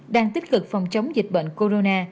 đang tích cực phòng chống dịch bệnh corona